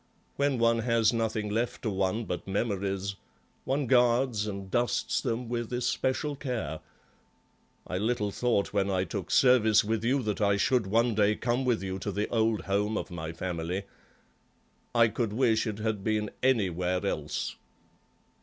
When one has nothing left to one but memories, one guards and dusts them with especial care. I little thought when I took service with you that I should one day come with you to the old home of my family. I could wish it had been anywhere else."